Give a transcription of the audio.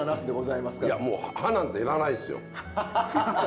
いやもう歯なんていらないですよ。